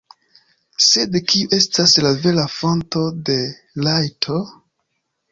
Sed kiu estas la vera fonto de rajto?